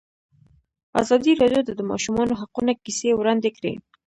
ازادي راډیو د د ماشومانو حقونه کیسې وړاندې کړي.